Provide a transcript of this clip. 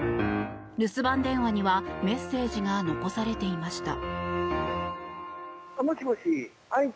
留守番電話にはメッセージが残されていました。